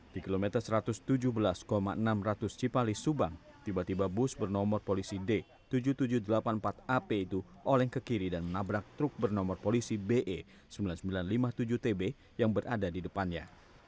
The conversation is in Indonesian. di kilometer satu ratus tujuh belas enam ratus cipali subang tiba tiba bus bernomor polisi d tujuh ribu tujuh ratus delapan puluh empat ap itu oleng ke kiri dan menabrak truk bernomor polisi be sembilan ribu sembilan ratus lima puluh tujuh tb yang berada di depannya